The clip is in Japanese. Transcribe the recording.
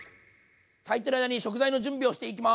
炊いてる間に食材の準備をしていきます。